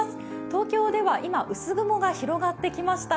東京では今、薄雲が広がってきました。